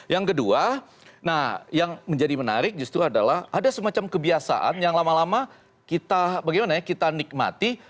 yang kedua nah yang menjadi menarik justru adalah ada semacam kebiasaan yang lama lama kita bagaimana kita nikmati